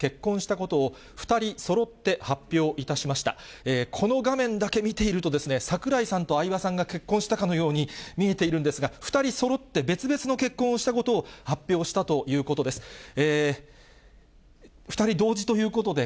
この画面だけ見ていると、櫻井さんと相葉さんが結婚したかのように見えているんですが、２人そろって別々の結婚をしたことを発表したということです。